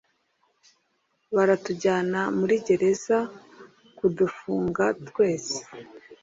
baratujyana muri gereza kudufunga twese